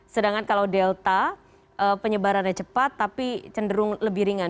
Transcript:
sedangkan kalau delta penyebarannya cepat tapi cenderung lebih ringan